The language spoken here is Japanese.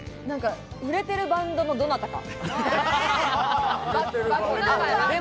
売れてるバンドのどなたか。